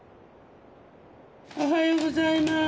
おはようございます。